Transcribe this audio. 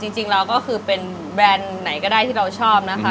จริงแล้วก็คือเป็นแบรนด์ไหนก็ได้ที่เราชอบนะคะ